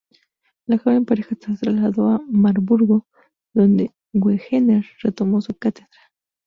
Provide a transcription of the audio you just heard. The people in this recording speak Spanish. La joven pareja se trasladó a Marburgo, donde Wegener retomó su cátedra.